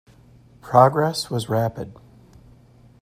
Progress was rapid.